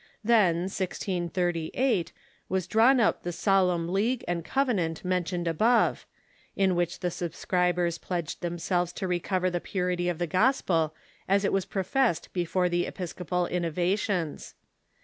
Tlu n (1G;5S) was diawn up the Solemn l^eague and Covenant mentioned above, in wnieh the subscribers })ledged themselves to recover the l»urity of the gospel as it was professed before the episcopal innovations.